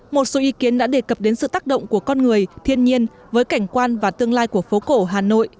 một số ý kiến đã đề cập đến sự tác động của con người thiên nhiên với cảnh quan và tương lai của phố cổ hà nội